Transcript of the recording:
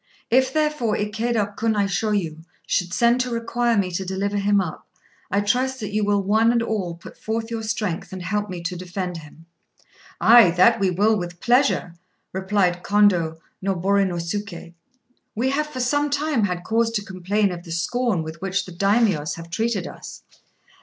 If, therefore, Ikéda Kunaishôyu should send to require me to deliver him up, I trust that you will one and all put forth your strength and help me to defend him." "Ay! that will we, with pleasure!" replied Kondô Noborinosuké. "We have for some time had cause to complain of the scorn with which the Daimios have treated us.